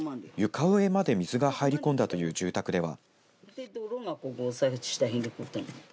床上まで水が入り込んだという住宅では。